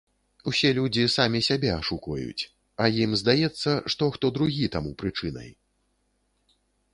Усе людзі самі сябе ашукваюць, а ім здаецца, што хто другі таму прычынай.